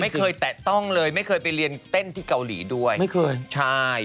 ไม่เคยแตะต้องเลยไม่เคยไปเรียนเต้นที่เกาหลีด้วย